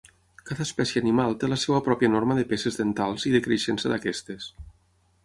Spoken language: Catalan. Cada espècie animal té la seva pròpia norma de peces dentals i de creixença d'aquestes.